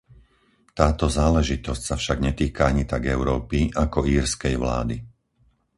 Táto záležitosť sa však netýka ani tak Európy, ako írskej vlády.